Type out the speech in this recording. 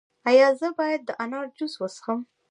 ایا زه باید د انار جوس وڅښم؟